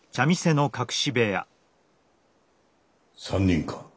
３人か？